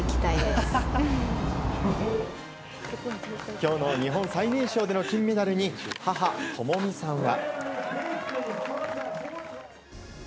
今日の日本最年少での金メダルに母・智実さんは。